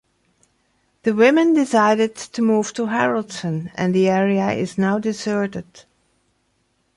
The women decided to move to Haraldssund, and the area is now deserted.